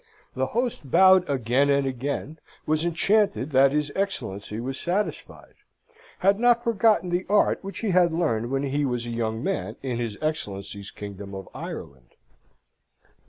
The host bowed again and again; was enchanted that his Excellency was satisfied: had not forgotten the art which he had learned when he was a young man in his Excellency's kingdom of Ireland.